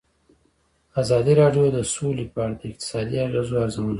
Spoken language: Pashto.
ازادي راډیو د سوله په اړه د اقتصادي اغېزو ارزونه کړې.